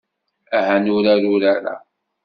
Aha ad nurar urar-a.